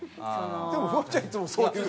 でもフワちゃんいつもそういう。